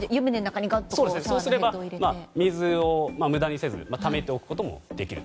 そうすればお湯を無駄にせず水をためておくことができると。